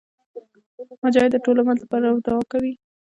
مجاهد د ټول امت لپاره دعا کوي.